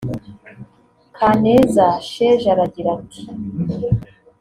Kaneza Sheja aragira ati